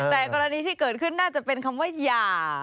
แต่กรณีที่เกิดขึ้นน่าจะเป็นคำว่าหย่า